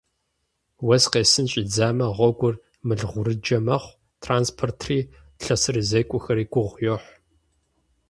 Уэс къесын щӀидзамэ, гъуэгур мылгъурыджэ мэхъу, транспортри лъэсырызекӀуэхэри гугъу йохь.